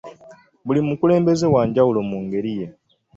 Buli mukulembeze wa njawulo mu ngeri ye.